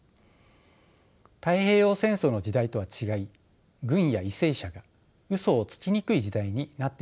太平洋戦争の時代とは違い軍や為政者がうそをつきにくい時代になっているのかもしれません。